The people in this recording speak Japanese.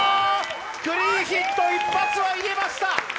クリーンヒット一発は入れました。